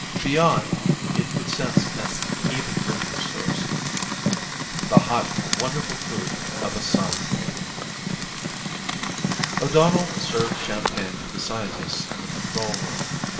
Beyond, it could sense an even richer source. The hot, wonderful food of a sun! O'Donnell served champagne for the scientists in the control room.